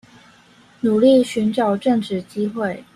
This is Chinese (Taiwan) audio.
努力尋找正職機會